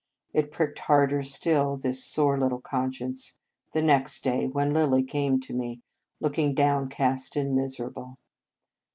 It pricked harder still this sore little conscience the next day, when Lilly came to me, looking downcast and miserable.